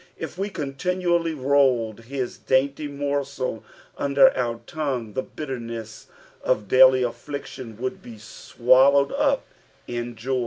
If wc continually rolled this dainty morsel under our tongue, the bitterness of daily afiliction would be swallowed up in jo